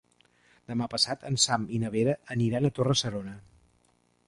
Demà passat en Sam i na Vera aniran a Torre-serona.